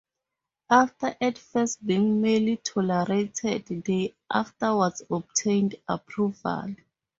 After at first being merely tolerated, they afterwards obtained approval.